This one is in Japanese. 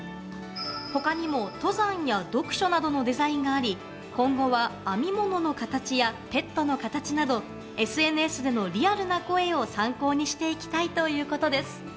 他にも登山や読書などのデザインがあり今後は編み物の形やペットの形などＳＮＳでのリアルな声を参考にしていきたいということです。